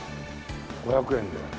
５００円で。